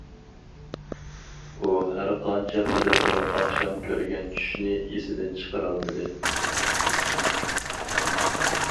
ئۇ ھەرقانچە قىلىپمۇ ئاخشام كۆرگەن چۈشنى ئېسىدىن چىقىرالمىدى.